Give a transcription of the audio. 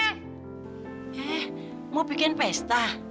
eh mau bikin pesta